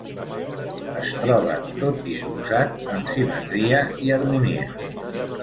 Es troba tot disposat amb simetria i harmonia.